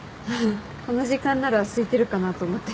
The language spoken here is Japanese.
この時間ならすいてるかなと思って。